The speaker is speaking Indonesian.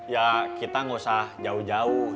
ya kita nggak usah jauh jauh